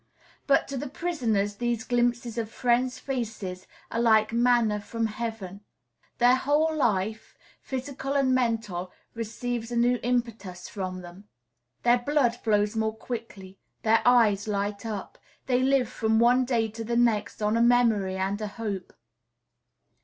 But to the prisoners these glimpses of friends' faces are like manna from heaven. Their whole life, physical and mental, receives a new impetus from them. Their blood flows more quickly, their eyes light up, they live from one day to the next on a memory and a hope.